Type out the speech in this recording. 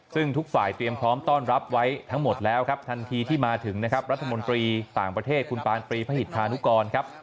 ซึ่งทุกฝ่ายเตรียมพร้อมต้อนรับไว้ทั้งหมดแล้วครับทันทีที่มาถึงนะครับรัฐมนตรีต่างประเทศคุณปานปรีพระหิตภานุกรครับ